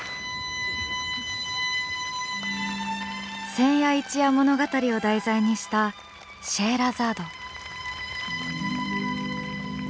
「千夜一夜物語」を題材にした「シェエラザード」。